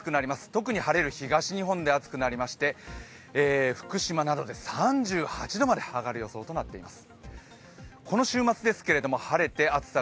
特に晴れる東日本で暑くなりまして福島などで３８度まで上がる予想となっています